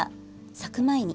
咲く前に。